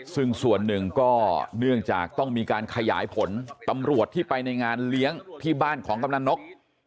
ซึ่งส่วนหนึ่งก็เนื่องจากต้องมีการขยายผลตำรวจที่ไปในงานเลี้ยงที่บ้านของกำลังนก